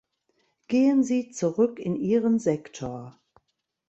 Gehen Sie zurück in Ihren Sektor!